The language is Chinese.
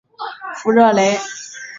弗热雷。